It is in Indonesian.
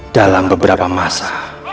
dalam beberapa masa